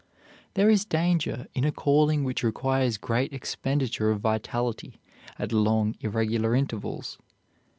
There is danger in a calling which requires great expenditure of vitality at long, irregular intervals.